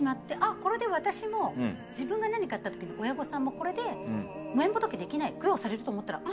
これで私も自分が何かあったときに親御さんもこれで無縁仏できない供養されると思ったらあぁ